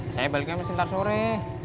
saya baliknya mesin tersore